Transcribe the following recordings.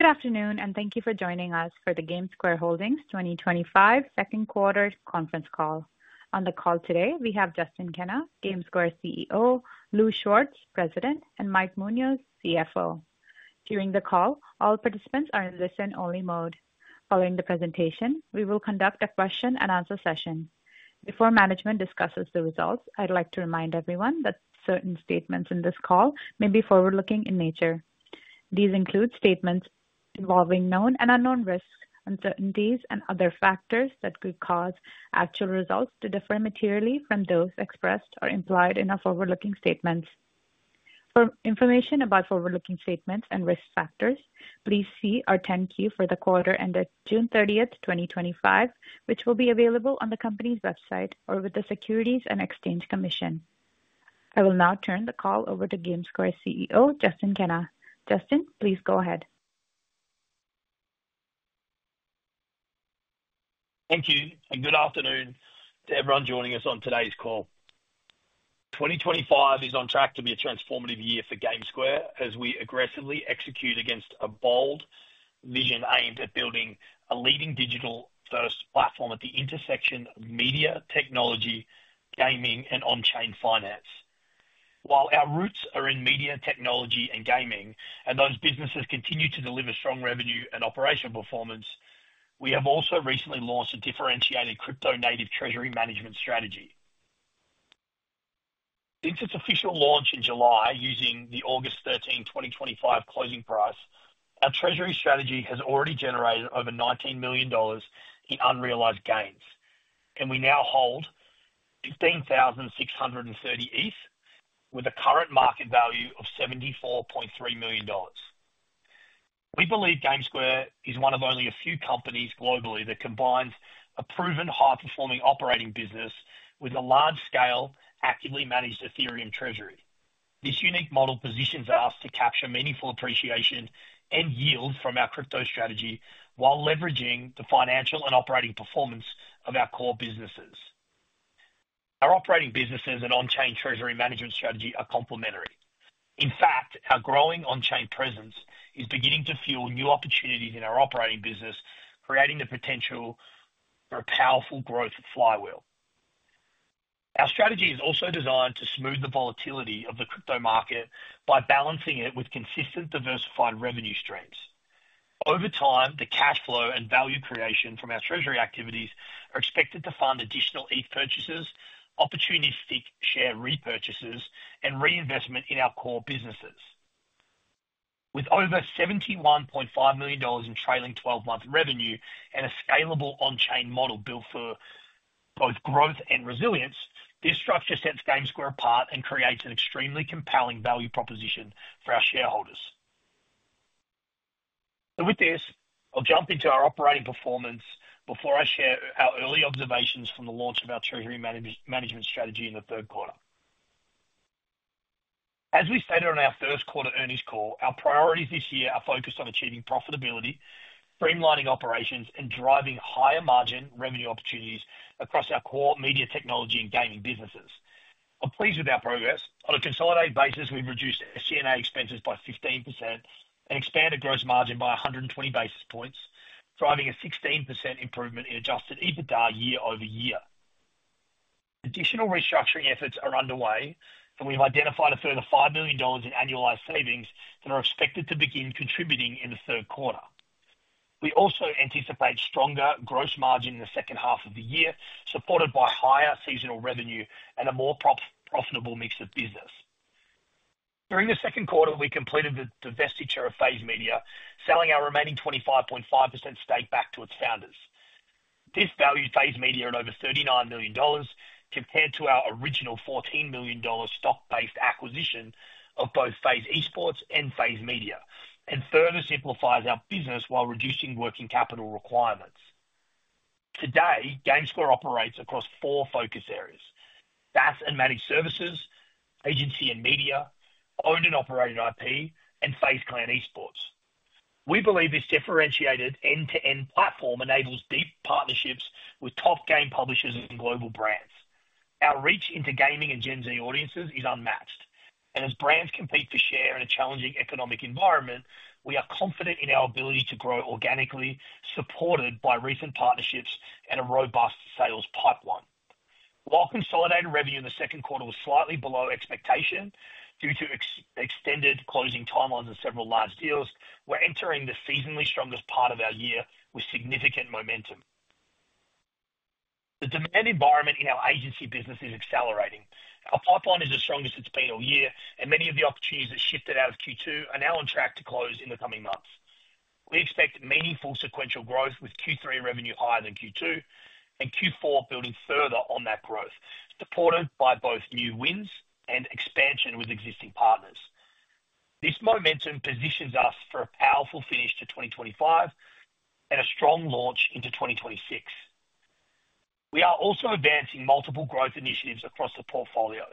Good afternoon, and thank you for joining us for the GameSquare Holdings 2025 Second Quarter Conference Call. On the call today, we have Justin Kenna, GameSquare CEO, Louis Schwartz, President, and Mike Munoz, CFO. During the call, all participants are in listen-only mode. Following the presentation, we will conduct a question-and-answer session. Before management discusses the results, I'd like to remind everyone that certain statements in this call may be forward-looking in nature. These include statements involving known and unknown risks, uncertainties, and other factors that could cause actual results to differ materially from those expressed or implied in our forward-looking statements. For information about forward-looking statements and risk factors, please see our 10-Q for the quarter ended June 30, 2025, which will be available on the company's website or with the Securities and Exchange Commission. I will now turn the call over to GameSquare CEO Justin Kenna. Justin, please go ahead. Thank you, and good afternoon to everyone joining us on today's call. 2025 is on track to be a transformative year for GameSquare as we aggressively execute against a bold vision aimed at building a leading digital-first platform at the intersection of media, technology, gaming, and on-chain finance. While our roots are in media, technology, and gaming, and those businesses continue to deliver strong revenue and operational performance, we have also recently launched a differentiated crypto-native treasury management strategy. Since its official launch in July using the August 13, 2025 closing price, our treasury strategy has already generated over $19 million in unrealized gains, and we now hold 15,630 ETH with a current market value of $74.3 million. We believe GameSquare is one of only a few companies globally that combines a proven high-performing operating business with a large-scale actively managed Ethereum treasury. This unique model positions us to capture meaningful appreciation and yield from our crypto strategy while leveraging the financial and operating performance of our core businesses. Our operating businesses and on-chain treasury management strategy are complementary. In fact, our growing on-chain presence is beginning to fuel new opportunities in our operating business, creating the potential for a powerful growth flywheel. Our strategy is also designed to smooth the volatility of the crypto market by balancing it with consistent diversified revenue streams. Over time, the cash flow and value creation from our treasury activities are expected to fund additional ETH purchases, opportunistic share repurchases, and reinvestment in our core businesses. With over $71.5 million in trailing 12-month revenue and a scalable on-chain model built for both growth and resilience, this structure sets GameSquare apart and creates an extremely compelling value proposition for our shareholders. With this, I'll jump into our operating performance before I share our early observations from the launch of our treasury management strategy in the third quarter. As we stated on our first quarter earnings call, our priorities this year are focused on achieving profitability, streamlining operations, and driving higher margin revenue opportunities across our core media, technology, and gaming businesses. I'm pleased with our progress. On a consolidated basis, we've reduced G&A expenses by 15% and expanded gross margin by 120 basis points, driving a 16% improvement in adjusted EBITDA year-over-year. Additional restructuring efforts are underway, and we've identified a further $5 million in annualized savings that are expected to begin contributing in the third quarter. We also anticipate stronger gross margin in the second half of the year, supported by higher seasonal revenue and a more profitable mix of business. During the second quarter, we completed the domestic share of FaZe Media, selling our remaining 25.5% stake back to its founders. This valued FaZe Media at over $39 million compared to our original $14 million stock-based acquisition of both FaZe Clan Esports and FaZe Media, and further simplifies our business while reducing working capital requirements. Today, GameSquare operates across four focus areas: B2B and managed services, agency and media, owned and operated IP, and FaZe Clan Esports. We believe this differentiated end-to-end platform enables deep partnerships with top game publishers and global brands. Our reach into gaming and Gen Z audiences is unmatched, and as brands compete for share in a challenging economic environment, we are confident in our ability to grow organically, supported by recent partnerships and a robust sales pipeline. While consolidated revenue in the second quarter was slightly below expectation due to extended closing timelines and several large deals, we're entering the seasonally strongest part of our year with significant momentum. The demand environment in our agency business is accelerating. Our pipeline is as strong as it's been all year, and many of the opportunities that shifted out of Q2 are now on track to close in the coming months. We expect meaningful sequential growth with Q3 revenue higher than Q2, and Q4 building further on that growth, supported by both new wins and expansion with existing partners. This momentum positions us for a powerful finish to 2025 and a strong launch into 2026. We are also advancing multiple growth initiatives across the portfolio,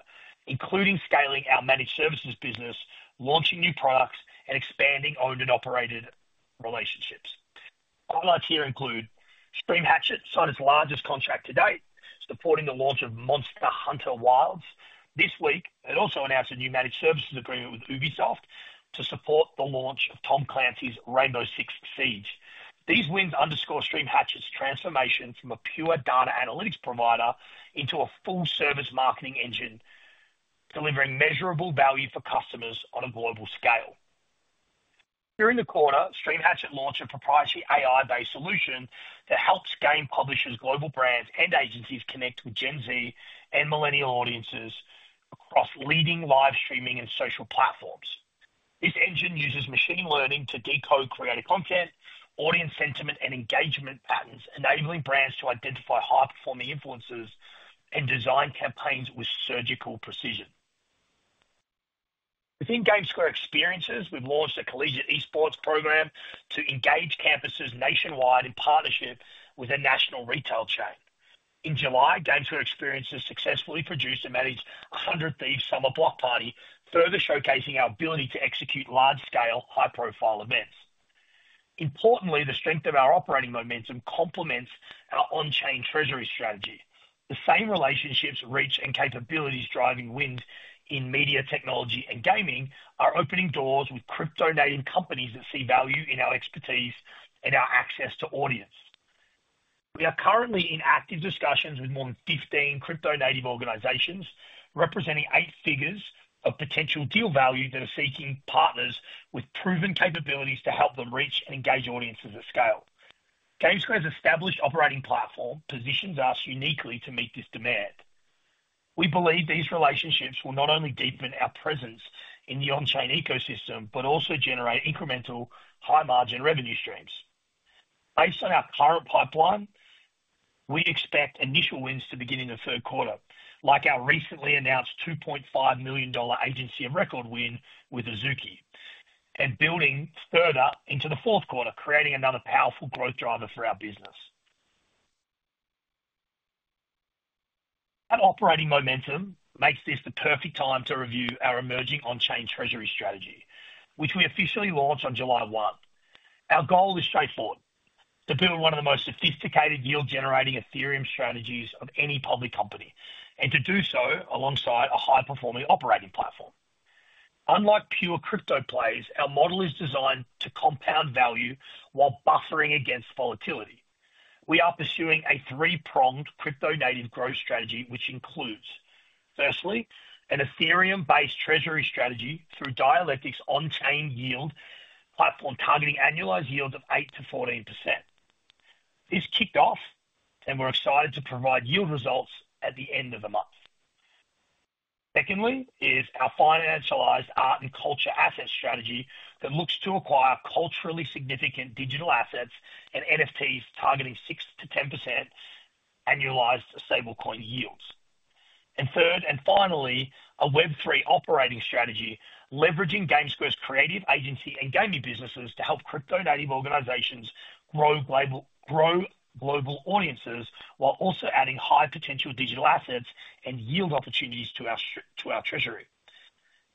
including scaling our managed services business, launching new products, and expanding owned and operated relationships. Highlights here include Stream Hatchet, China's largest contract to date, supporting the launch of Monster Hunter Wilds this week, and also announced a new managed services agreement with Ubisoft to support the launch of Tom Clancy's Rainbow Six Siege. These wins underscore Stream Hatchet's transformation from a pure data analytics provider into a full-service marketing engine, delivering measurable value for customers on a global scale. During the quarter, Stream Hatchet launched a proprietary AI-based solution that helps game publishers, global brands, and agencies connect with Gen Z and millennial audiences across leading live streaming and social platforms. This engine uses machine learning to decode creative content, audience sentiment, and engagement patterns, enabling brands to identify high-performing influencers and design campaigns with surgical precision. Within GameSquare Experiences, we've launched a collegiate esports program to engage campuses nationwide in partnership with a national retail chain. In July, GameSquare Experiences successfully produced and managed a 100 Thieves' Summer Block Party, further showcasing our ability to execute large-scale, high-profile events. Importantly, the strength of our operating momentum complements our on-chain treasury strategy. The same relationships, reach, and capabilities driving wins in media, technology, and gaming are opening doors with crypto-native companies that see value in our expertise and our access to audience. We are currently in active discussions with more than 15 crypto-native organizations, representing eight figures of potential deal value that are seeking partners with proven capabilities to help them reach and engage audiences at scale. GameSquare's established operating platform positions us uniquely to meet this demand. We believe these relationships will not only deepen our presence in the on-chain ecosystem, but also generate incremental high-margin revenue streams. Based on our current pipeline, we expect initial wins to begin in the third quarter, like our recently announced $2.5 million agency and record win with Azuki, and building further into the fourth quarter, creating another powerful growth driver for our business. That operating momentum makes this the perfect time to review our emerging on-chain treasury strategy, which we officially launched on July 1. Our goal is straightforward: to build one of the most sophisticated yield-generating Ethereum strategies of any public company, and to do so alongside a high-performing operating platform. Unlike pure crypto plays, our model is designed to compound value while buffering against volatility. We are pursuing a three-pronged crypto-native growth strategy, which includes, firstly, an Ethereum treasury strategy through Dialectic's on-chain yield platform, targeting annualized yields of 8%-14%. This kicked off, and we're excited to provide yield results at the end of the month. Secondly is our financialized art and culture asset strategy that looks to acquire culturally significant digital assets and NFTs, targeting 6%-10% annualized stablecoin yields. Third, and finally, a Web3 operating strategy, leveraging GameSquare's creative agency and gaming businesses to help crypto-native organizations grow global audiences while also adding high-potential digital assets and yield opportunities to our treasury.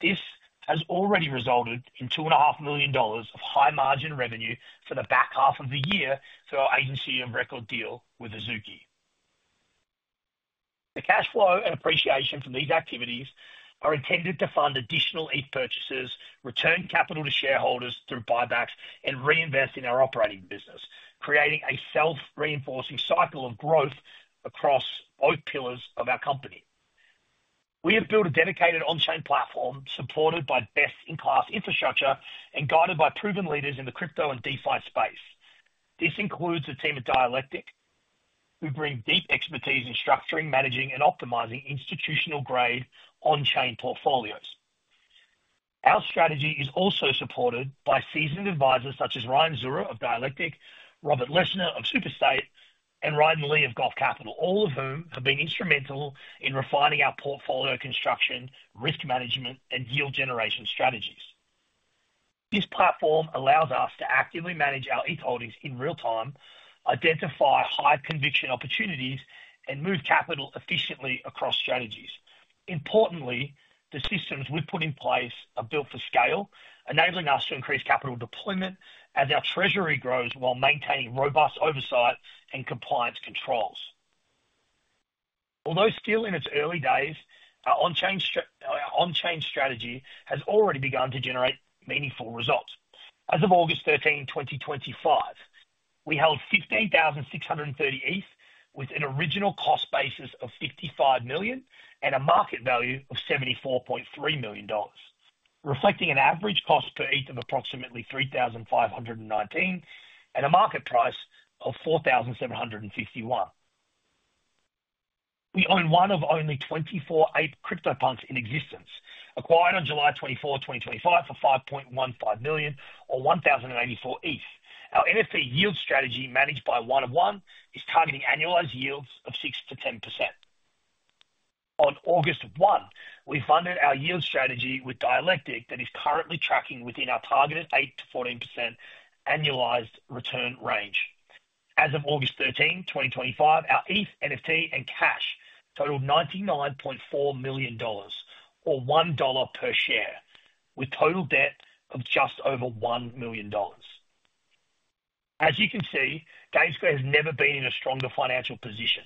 This has already resulted in $2.5 million of high-margin revenue for the back half of the year through our agency and record deal with Azuki. The cash flow and appreciation from these activities are intended to fund additional ETH purchases, return capital to shareholders through buybacks, and reinvest in our operating business, creating a self-reinforcing cycle of growth across both pillars of our company. We have built a dedicated on-chain platform supported by best-in-class infrastructure and guided by proven leaders in the crypto and DeFi space. This includes a team at Dialectic, who bring deep expertise in structuring, managing, and optimizing institutional-grade on-chain portfolios. Our strategy is also supported by seasoned advisors such as Ryan Zurrer of Dialectic, Robert Leshnar of SuperState, and Rhydon Lee of Goth Capital, all of whom have been instrumental in refining our portfolio construction, risk management, and yield generation strategies. This platform allows us to actively manage our ETH holdings in real time, identify high-conviction opportunities, and move capital efficiently across strategies. Importantly, the systems we've put in place are built for scale, enabling us to increase capital deployment as our treasury grows while maintaining robust oversight and compliance controls. Although still in its early days, our on-chain strategy has already begun to generate meaningful results. As of August 13, 2025, we held 15,630 ETH with an original cost basis of $55 million and a market value of $74.3 million, reflecting an average cost per ETH of approximately $3,519 and a market price of $4,751. We own one of only 24 Ape CryptoPunks in existence, acquired on July 24, 2025, for $5.15 million, or 1,084 ETH. Our NFP yield strategy, managed by 1OF1, is targeting annualized yields of 6%-10%. On August 1, we funded our yield strategy with Dialectic that is currently tracking within our targeted 8%-14% annualized return range. As of August 13, 2025, our ETH, NFT, and cash totaled $99.4 million, or $1 per share, with total debt of just over $1 million. As you can see, GameSquare has never been in a stronger financial position.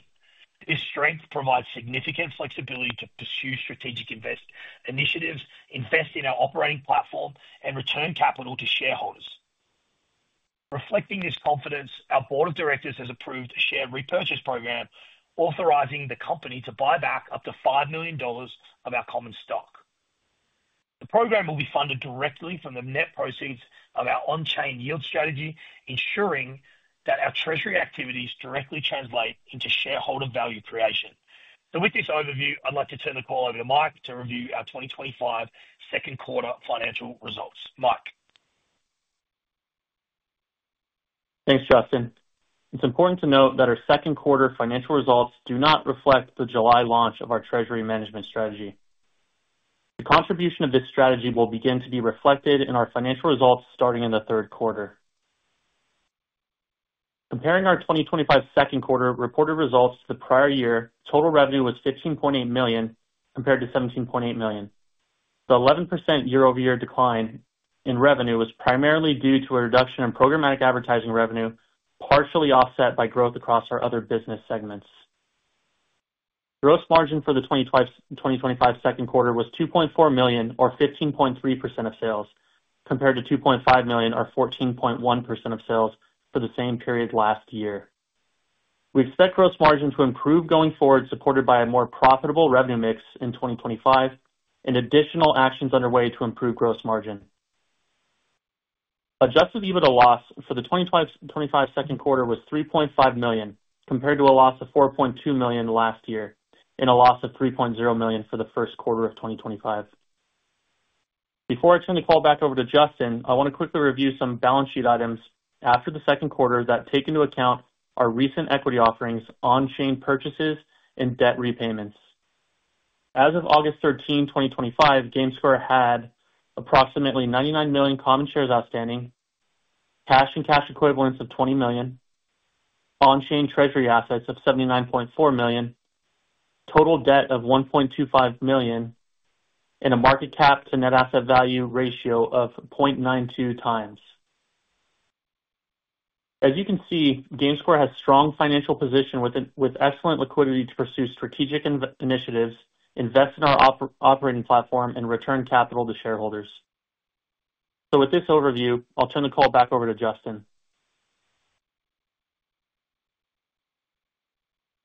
This strength provides significant flexibility to pursue strategic investment initiatives, invest in our operating platform, and return capital to shareholders. Reflecting this confidence, our Board of Directors has approved a share repurchase program, authorizing the company to buy back up to $5 million of our common stock. The program will be funded directly from the net proceeds of our on-chain yield strategy, ensuring that our treasury activities directly translate into shareholder value creation. With this overview, I'd like to turn the call over to Mike to review our 2025 second quarter financial results. Mike. Thanks, Justin. It's important to note that our second quarter financial results do not reflect the July launch of our treasury management strategy. The contribution of this strategy will begin to be reflected in our financial results starting in the third quarter. Comparing our 2025 second quarter reported results to the prior year, total revenue was $15.8 million compared to $17.8 million. The 11% year-over-year decline in revenue was primarily due to a reduction in programmatic advertising revenue, partially offset by growth across our other business segments. Gross margin for the 2025 second quarter was $2.4 million, or 15.3% of sales, compared to $2.5 million, or 14.1% of sales for the same period last year. We expect gross margin to improve going forward, supported by a more profitable revenue mix in 2025 and additional actions underway to improve gross margin. Adjusted EBITDA loss for the 2025 second quarter was $3.5 million, compared to a loss of $4.2 million last year and a loss of $3.0 million for the first quarter of 2025. Before I turn the call back over to Justin, I want to quickly review some balance sheet items after the second quarter that take into account our recent equity offerings, on-chain purchases, and debt repayments. As of August 13, 2025, GameSquare had approximately 99 million common shares outstanding, cash and cash equivalents of $20 million, on-chain treasury assets of $79.4 million, total debt of $1.25 million, and a market cap to net asset value ratio of 0.92x. As you can see, GameSquare has a strong financial position with excellent liquidity to pursue strategic initiatives, invest in our operating platform, and return capital to shareholders. With this overview, I'll turn the call back over to Justin.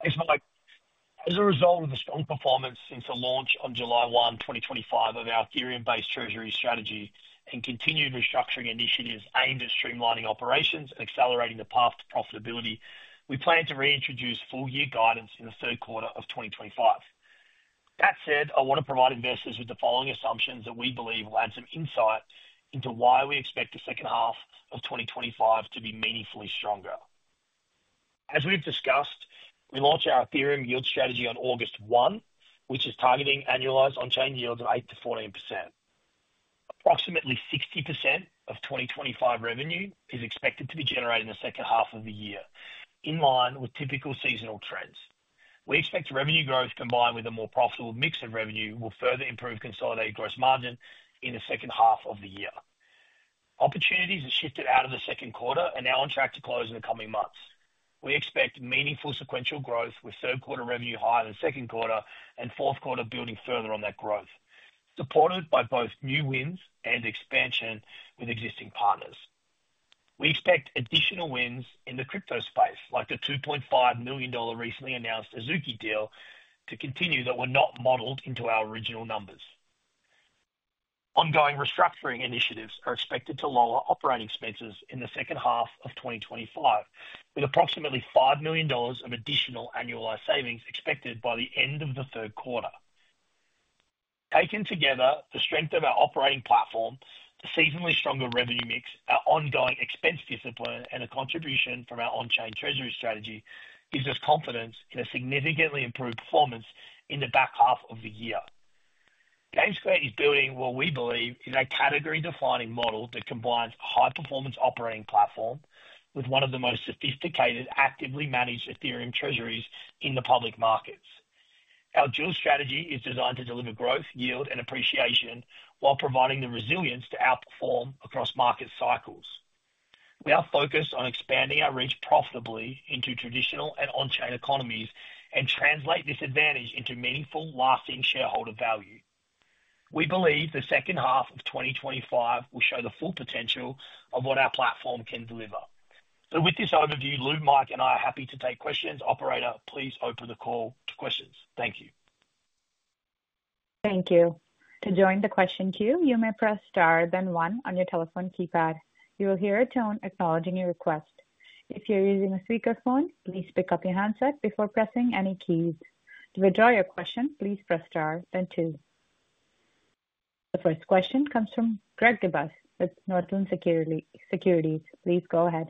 Thanks, Mike. As a result of the strong performance since the launch on July 1, 2025, of our Ethereum treasury strategy and continued restructuring initiatives aimed at streamlining operations and accelerating the path to profitability, we plan to reintroduce full-year guidance in the third quarter of 2025. That said, I want to provide investors with the following assumptions that we believe will add some insight into why we expect the second half of 2025 to be meaningfully stronger. As we've discussed, we launched our Ethereum yield strategy on August 1, which is targeting annualized on-chain yields of 8%-14%. Approximately 60% of 2025 revenue is expected to be generated in the second half of the year, in line with typical seasonal trends. We expect revenue growth combined with a more profitable mix of revenue will further improve consolidated gross margin in the second half of the year. Opportunities have shifted out of the second quarter and are now on track to close in the coming months. We expect meaningful sequential growth with third quarter revenue higher than second quarter, and fourth quarter building further on that growth, supported by both new wins and expansion with existing partners. We expect additional wins in the crypto space, like the $2.5 million recently announced Azuki deal, to continue that were not modeled into our original numbers. Ongoing restructuring initiatives are expected to lower operating expenses in the second half of 2025, with approximately $5 million of additional annualized savings expected by the end of the third quarter. Taken together, the strength of our operating platform, the seasonally stronger revenue mix, our ongoing expense discipline, and the contribution from our on-chain treasury strategy give us confidence in a significantly improved performance in the back half of the year. GameSquare Holdings is building what we believe is a category-defining model that combines a high-performance operating platform with one of the most sophisticated actively managed Ethereum treasuries in the public markets. Our dual strategy is designed to deliver growth, yield, and appreciation while providing the resilience to outperform across market cycles. We are focused on expanding our reach profitably into traditional and on-chain economies and translate this advantage into meaningful, lasting shareholder value. We believe the second half of 2025 will show the full potential of what our platform can deliver. With this overview, Louis, Mike, and I are happy to take questions. Operator, please open the call to questions. Thank you. Thank you. To join the question queue, you may press star, then one on your telephone keypad. You will hear a tone acknowledging your request. If you're using a speakerphone, please pick up your handset before pressing any keys. To withdraw your question, please press star, then two. The first question comes from Greg Gibas with Northland Securities. Please go ahead.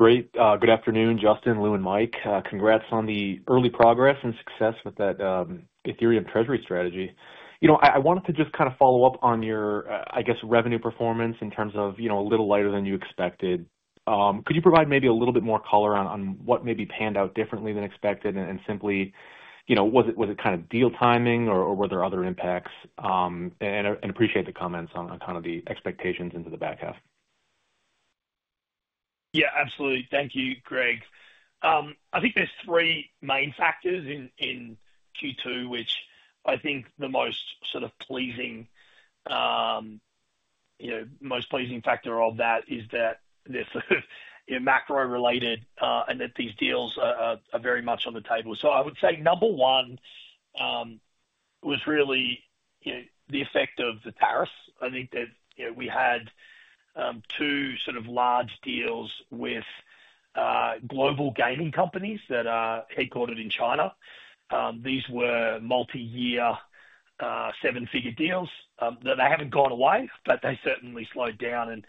Greg, good afternoon, Justin, Lou, and Mike. Congrats on the early progress and success with that Ethereum treasury strategy. I wanted to just kind of follow up on your revenue performance in terms of, you know, a little lighter than you expected. Could you provide maybe a little bit more color on what may be panned out differently than expected and simply, you know, was it kind of deal timing or were there other impacts? I appreciate the comments on kind of the expectations into the back half. Yeah, absolutely. Thank you, Greg. I think there's three main factors in Q2, which I think the most sort of pleasing, you know, most pleasing factor of that is that they're sort of macro-related and that these deals are very much on the table. I would say number one was really, you know, the effect of the tariffs. I think that, you know, we had two sort of large deals with global gaming companies that are headquartered in China. These were multi-year seven-figure deals. They haven't gone away, but they certainly slowed down.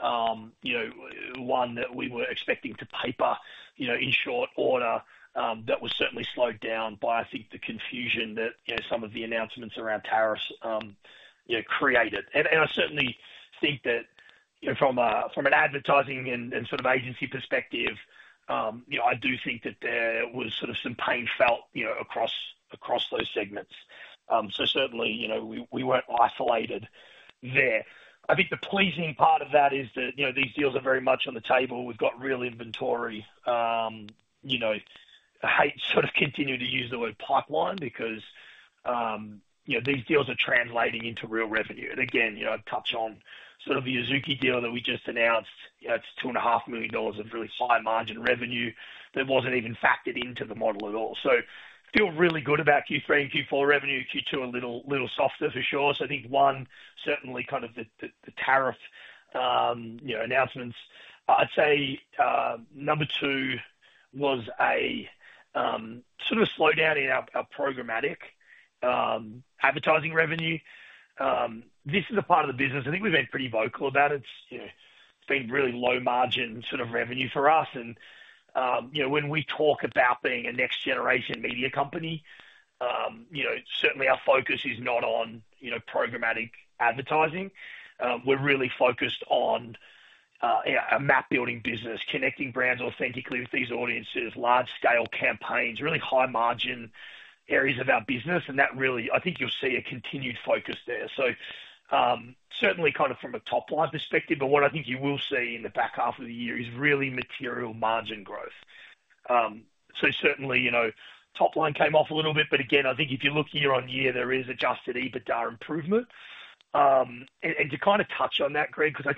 One that we were expecting to paper, you know, in short order, that was certainly slowed down by, I think, the confusion that, you know, some of the announcements around tariffs, you know, created. I certainly think that, you know, from an advertising and sort of agency perspective, you know, I do think that there was sort of some pain felt, you know, across those segments. Certainly, you know, we weren't isolated there. I think the pleasing part of that is that, you know, these deals are very much on the table. We've got real inventory. I hate to sort of continue to use the word pipeline because, you know, these deals are translating into real revenue. Again, you know, I touch on sort of the Azuki deal that we just announced. It's $2.5 million of really high margin revenue that wasn't even factored into the model at all. Feel really good about Q3 and Q4 revenue. Q2 a little softer for sure. I think one, certainly kind of the tariff, you know, announcements. I'd say number two was a sort of slowdown in our programmatic advertising revenue. This is a part of the business. I think we've been pretty vocal about it. It's been really low margin sort of revenue for us. When we talk about being a next-generation media company, you know, certainly our focus is not on, you know, programmatic advertising. We're really focused on a map-building business, connecting brands authentically with these audiences, large-scale campaigns, really high margin areas of our business. That really, I think you'll see a continued focus there. Certainly kind of from a top-line perspective. What I think you will see in the back half of the year is really material margin growth. Certainly, you know, top-line came off a little bit. Again, I think if you look year-on-year, there is adjusted EBITDA improvement. To kind of touch on that, Greg, because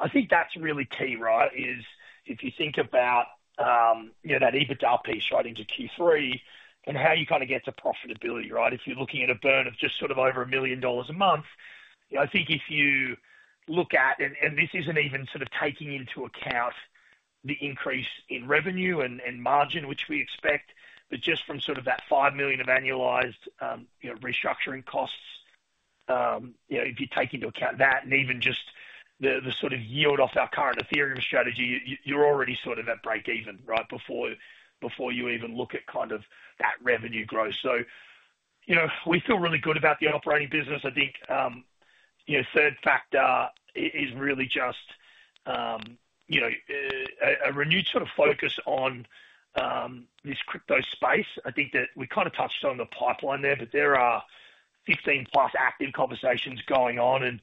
I think that's really key, right, if you think about that EBITDA piece right into Q3 and how you kind of get to profitability, if you're looking at a burn of just sort of over $1 million a month, I think if you look at, and this isn't even sort of taking into account the increase in revenue and margin, which we expect, but just from that $5 million of annualized restructuring costs, if you take into account that and even just the sort of yield off our current Ethereum treasury strategy, you're already sort of at break-even, right, before you even look at that revenue growth. We feel really good about the operating business. I think the third factor is really just a renewed sort of focus on this crypto space. We kind of touched on the pipeline there, but there are 15+ active conversations going on.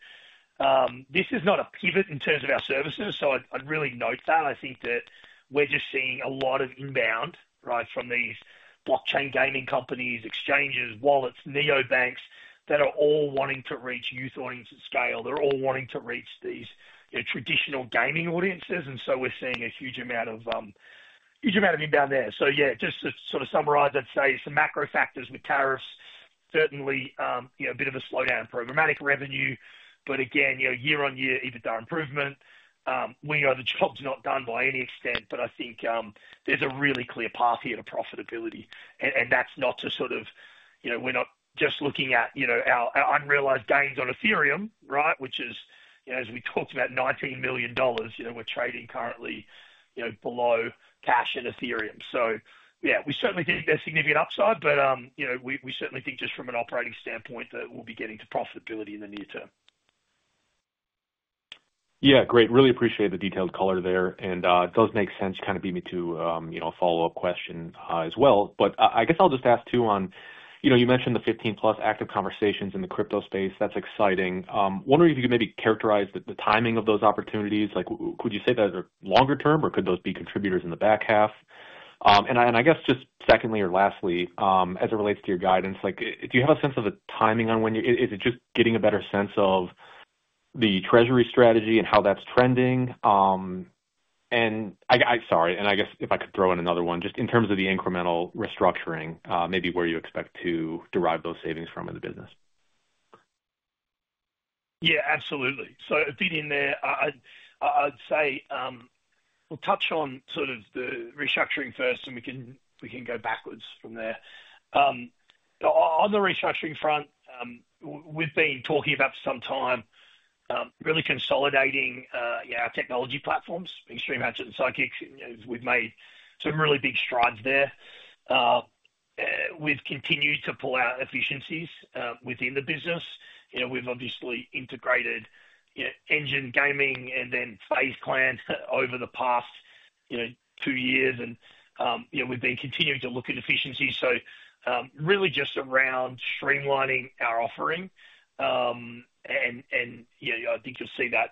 This is not a pivot in terms of our services. I'd really note that. We're just seeing a lot of inbound from these blockchain gaming companies, exchanges, wallets, neobanks that are all wanting to reach youth audience at scale. They're all wanting to reach these traditional gaming audiences. We're seeing a huge amount of inbound there. Just to sort of summarize, I'd say it's the macro factors with tariffs, certainly a bit of a slowdown in programmatic revenue. Again, year on year EBITDA improvement. We know the job's not done by any extent, but I think there's a really clear path here to profitability. That's not to sort of, we're not just looking at our unrealized gains on Ethereum, which is, as we talked about, $19 million. We're trading currently below cash in Ethereum. We certainly think there's significant upside, but we certainly think just from an operating standpoint that we'll be getting to profitability in the near term. Yeah, Greg, really appreciate the detailed color there. It does make sense, you kind of beat me to a follow-up question as well. I guess I'll just ask too, you mentioned the 15+ active conversations in the crypto space. That's exciting. Wondering if you could maybe characterize the timing of those opportunities. Could you say those are longer term or could those be contributors in the back half? I guess just secondly or lastly, as it relates to your guidance, do you have a sense of the timing on when you're, is it just getting a better sense of the treasury strategy and how that's trending? Sorry, I guess if I could throw in another one, just in terms of the incremental restructuring, maybe where you expect to derive those savings from in the business. Yeah, absolutely. Feeding there, I'd say we'll touch on the restructuring first and we can go backwards from there. On the restructuring front, we've been talking about for some time really consolidating our technology platforms, Stream Hatchet and Sideqik. We've made some really big strides there. We've continued to pull out efficiencies within the business. We've obviously integrated, you know, Engine Gaming and then FaZe Clan over the past, you know, two years. We've been continuing to look at efficiencies, really just around streamlining our offering. I think you'll see that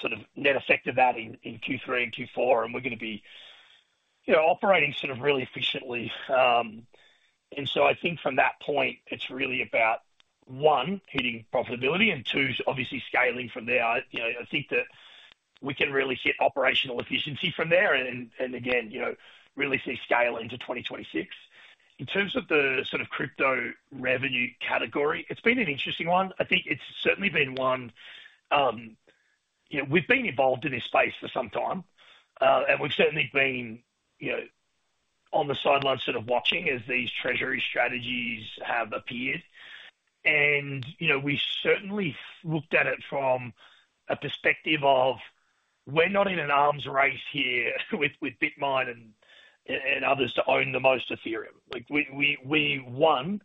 sort of net effect of that in Q3 and Q4. We're going to be operating really efficiently. I think from that point, it's really about one, hitting profitability and two, obviously scaling from there. I think that we can really hit operational efficiency from there and again, really see scale into 2026. In terms of the crypto revenue category, it's been an interesting one. I think it's certainly been one we've been involved in this space for some time. We've certainly been on the sidelines watching as these treasury strategies have appeared. We certainly looked at it from a perspective of we're not in an arms race here with BitMine and others to own the most Ethereum. We, one,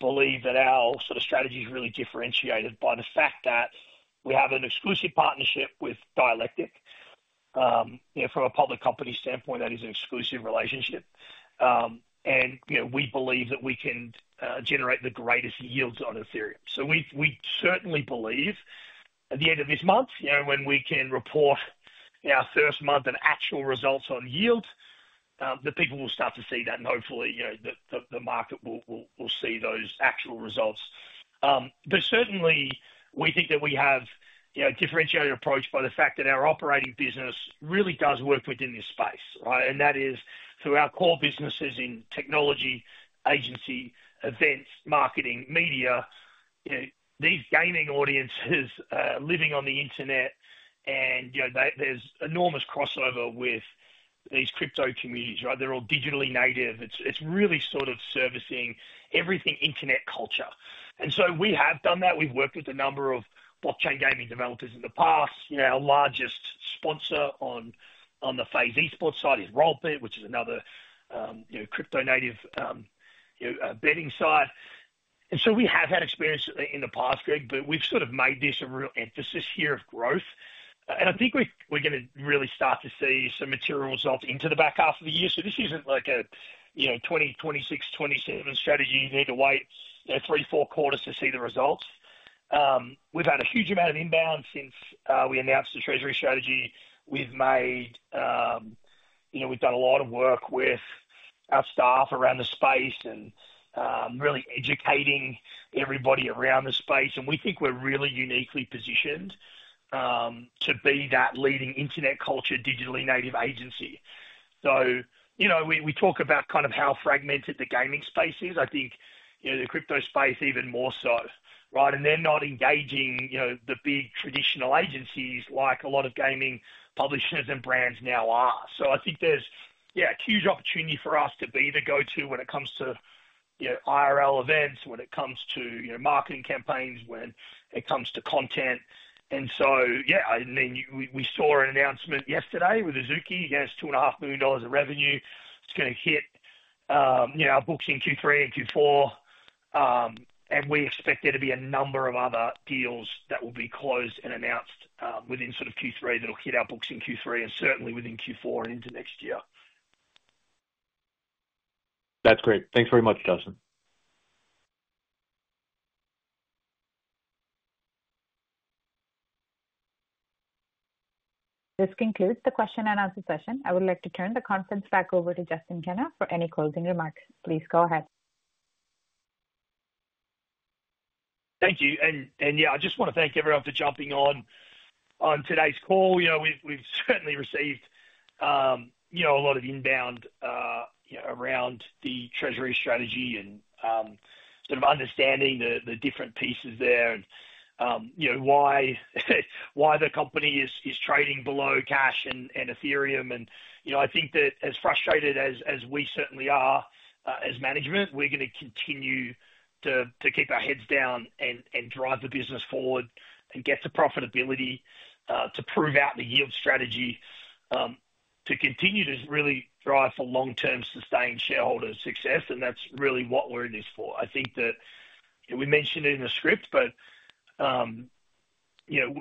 believe that our strategy is really differentiated by the fact that we have an exclusive partnership with Dialectic. From a public company standpoint, that is an exclusive relationship. We believe that we can generate the greatest yields on Ethereum. We certainly believe at the end of this month, when we can report our first month and actual results on yield, that people will start to see that and hopefully the market will see those actual results. We think that we have a differentiated approach by the fact that our operating business really does work within this space, right? That is through our core businesses in technology, agency, events, marketing, media. These gaming audiences are living on the internet. There's enormous crossover with these crypto communities, right? They're all digitally native. It's really servicing everything Internet culture. We have done that. We've worked with a number of blockchain gaming developers in the past. Our largest sponsor on the FaZe Clan Esports site is Rollbit, which is another crypto-native betting site. We have had experience in the past, Greg, but we've sort of made this a real emphasis here of growth. I think we're going to really start to see some material results into the back half of the year. This isn't like a 2026, 2027 strategy. You need to wait three, four quarters to see the results. We've had a huge amount of inbound since we announced the treasury strategy. We've done a lot of work with our staff around the space and really educating everybody around the space. We think we're really uniquely positioned to be that leading internet culture digitally native agency. We talk about kind of how fragmented the gaming space is. I think the crypto space even more so, right? They're not engaging the big traditional agencies like a lot of gaming publishers and brands now are. I think there's a huge opportunity for us to be the go-to when it comes to IRL events, when it comes to marketing campaigns, when it comes to content. We saw an announcement yesterday with Azuki against $2.5 million of revenue. It's going to hit our books in Q3 and Q4. We expect there to be a number of other deals that will be closed and announced within sort of Q3 that will hit our books in Q3 and certainly within Q4 and into next year. That's great. Thanks very much, Justin. This concludes the question-and-answer session. I would like to turn the conference back over to Justin Kenna for any closing remarks. Please go ahead. Thank you. I just want to thank everyone for jumping on today's call. We've certainly received a lot of inbound around the treasury strategy and understanding the different pieces there, and why the company is trading below cash and Ethereum. I think that as frustrated as we certainly are as management, we're going to continue to keep our heads down and drive the business forward and get to profitability to prove out the yield strategy to continue to really drive for long-term sustained shareholder success. That's really what we're in this for. I think that we mentioned it in the script, but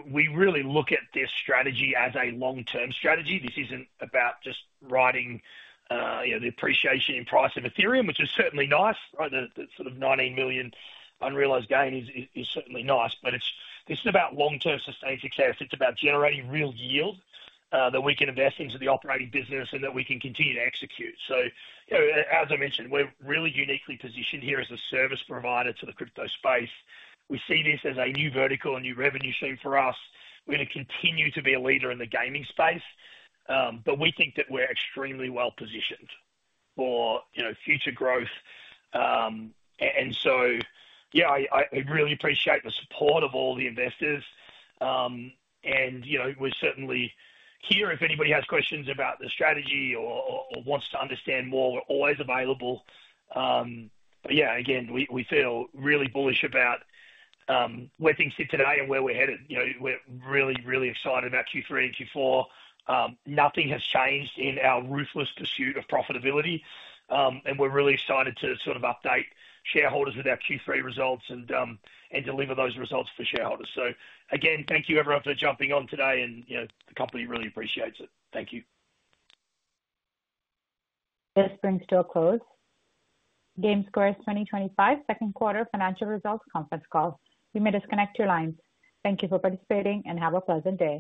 we really look at this strategy as a long-term strategy. This isn't about just riding the appreciation in price of Ethereum, which is certainly nice. The sort of $19 million unrealized gain is certainly nice, but this is about long-term sustained success. It's about generating real yield that we can invest into the operating business and that we can continue to execute. As I mentioned, we're really uniquely positioned here as a service provider to the crypto space. We see this as a new vertical and new revenue stream for us. We're going to continue to be a leader in the gaming space, but we think that we're extremely well positioned for future growth. I really appreciate the support of all the investors. We're certainly here if anybody has questions about the strategy or wants to understand more, we're always available. We feel really bullish about where things sit today and where we're headed. We're really, really excited about Q3 and Q4. Nothing has changed in our ruthless pursuit of profitability. We're really excited to update shareholders with our Q3 results and deliver those results for shareholders. Again, thank you everyone for jumping on today. The company really appreciates it. Thank you. This brings to a close GameSquare's 2025 Second Quarter Financial Results Conference Call. You may disconnect your lines. Thank you for participating and have a pleasant day.